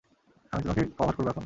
আমি তোমাকে কভার করবো এখন!